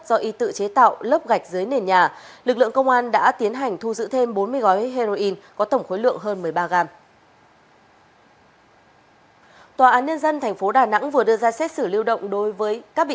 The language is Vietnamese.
do y tự chế tạo lắp gạch dưới nền nhà lực lượng công an đã tiến hành thu giữ thêm bốn mươi gói heroin có tổng khối lượng hơn một mươi ba gram